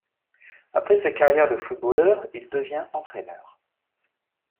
Après sa carrière de footballeur, il devient entraîneur.